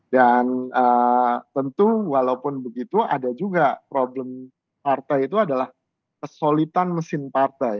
dan tentu walaupun begitu ada juga problem partai itu adalah kesolitan mesin partai